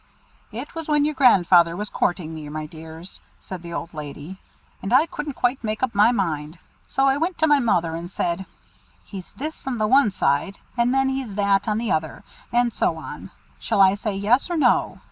"It was when your grandfather was courting me, my dears," said the old lady, "and I couldn't quite make up my mind. So I went to my mother, and said, 'He's this on the one side, but then he's that on the other, and so on. Shall I say yes or no?'